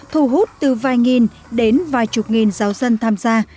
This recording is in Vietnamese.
thu hút từ vài nghìn đến vài chục nghìn giáo dân tham gia